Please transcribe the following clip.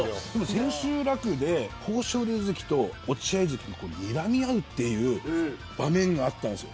千秋楽で豊昇龍関と落合関がにらみ合うという場面があったんです。